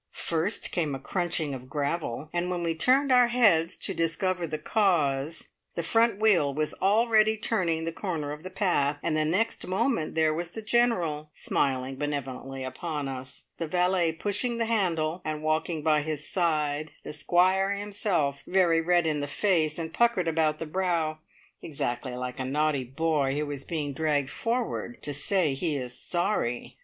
First came a crunching of gravel, and when we turned our heads to discover the cause, the front wheel was already turning the corner of the path, and the next moment there was the General smiling benevolently upon us, the valet pushing the handle, and walking by his side the Squire himself, very red in the face and puckered about the brow, exactly like a naughty boy who is being dragged forward to say he is "sorry."